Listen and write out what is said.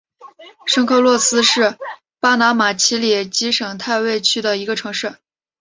圣卡洛斯是巴拿马奇里基省大卫区的一个城市。